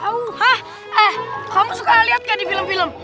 eh kamu suka lihat nggak di film film